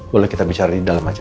boleh kita bicara di dalam